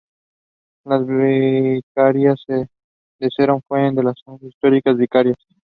Odum also oversaw the photography of the pieces for the exhibition catalog.